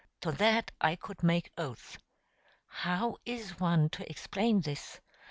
To that I could make oath. How is one to explain this?